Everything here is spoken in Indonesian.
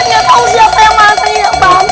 ini udah tau siapa yang masing masing